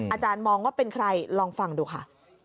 อาจารย์มองว่าเป็นใครลองฟังดูค่ะ